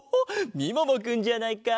みももくんじゃないか。